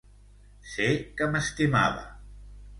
Sé que m'estimava.